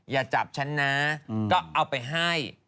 อย่าจับฉันนะก็เอาไปให้